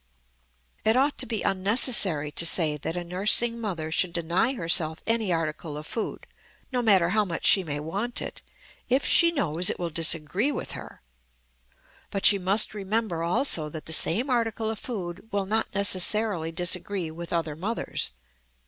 It ought to be unnecessary to say that a nursing mother should deny herself any article of food, no matter how much she may want it, if she knows it will disagree with her; but she must remember also that the same article of food will not necessarily disagree with other mothers.